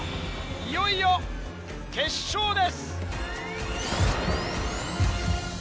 いよいよ決勝です。